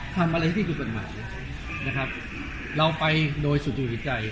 ทำอะไรที่สุดหมายนะครับเราไปโดยสูตรอยู่ในใจ